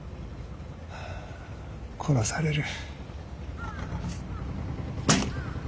殺される。